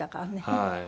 はい。